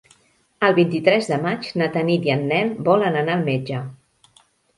El vint-i-tres de maig na Tanit i en Nel volen anar al metge.